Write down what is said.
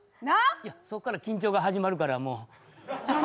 そこから緊張が始まるからもう。